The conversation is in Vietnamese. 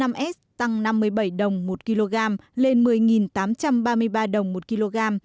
dầu hỏa tăng ba mươi đồng một lít lên một mươi tám trăm ba mươi ba đồng một lít